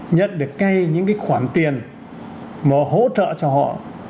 nhận được ngay những cái khoản tiền mà hỗ trợ cho họ